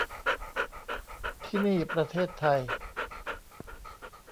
ที่นี่ประเทศไทย